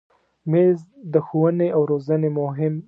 مېز د ښوونې او روزنې مهم توکي دي.